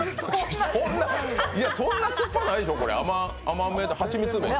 そんな酸っぱないよ、蜂蜜でしょ。